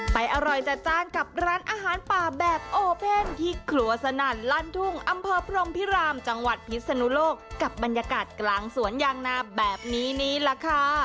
อร่อยจัดจ้านกับร้านอาหารป่าแบบโอเพ่นที่ครัวสนั่นลั่นทุ่งอำเภอพรมพิรามจังหวัดพิศนุโลกกับบรรยากาศกลางสวนยางนาแบบนี้นี่แหละค่ะ